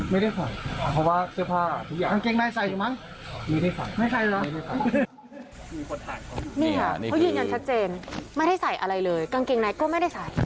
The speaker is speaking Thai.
นี่ค่ะเขายืนยันชัดเจนไม่ได้ใส่อะไรเลยกางเกงในก็ไม่ได้ใส่